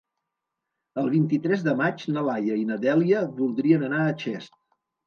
El vint-i-tres de maig na Laia i na Dèlia voldrien anar a Xest.